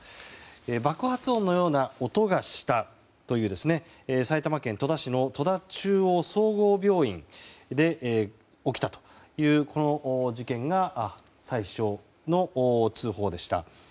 爆発音のような音がしたという埼玉県戸田市の戸田中央総合病院で起きたという事件が最初の通報でした。